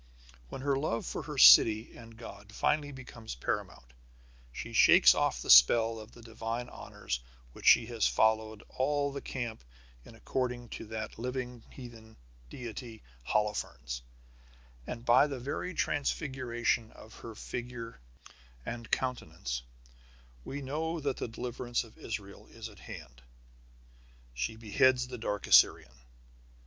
When her love for her city and God finally becomes paramount, she shakes off the spell of the divine honors which she has followed all the camp in according to that living heathen deity Holofernes, and by the very transfiguration of her figure and countenance we know that the deliverance of Israel is at hand. She beheads the dark Assyrian.